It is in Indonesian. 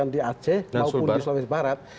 di aceh maupun di sulawesi barat